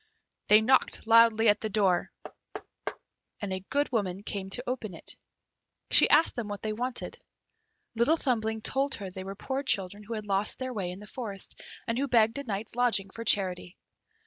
They knocked loudly at the door, and a good woman came to open it. She asked them what they wanted. Little Thumbling told her they were poor children who had lost their way in the forest, and who begged a night's lodging for charity.